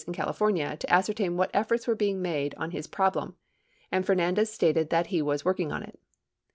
526 in California to ascertain what efforts were being made on his problem, and Fernandez stated that he was working on it.